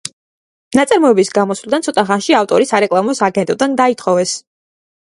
ნაწარმოების გამოსვლიდან ცოტა ხანში ავტორი სარეკლამო სააგენტოდან დაითხოვეს.